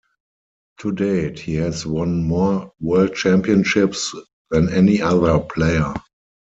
To date, he has won more world championships than any other player.